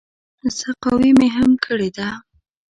سقاوي مې هم کړې ده.